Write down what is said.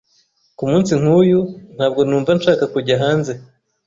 Kumunsi nkuyu, ntabwo numva nshaka kujya hanze.